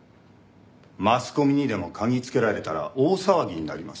マスコミにでも嗅ぎつけられたら大騒ぎになります。